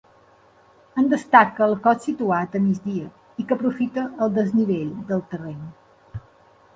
En destaca el cos situat a migdia i que aprofita el desnivell del terreny.